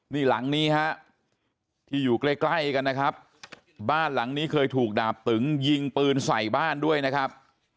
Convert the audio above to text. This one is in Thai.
นี่หลังนี้ฮะที่อยู่ใกล้ใกล้กันนะครับบ้านหลังนี้เคยถูกดาบตึงยิงปืนใส่บ้านด้วยนะครับ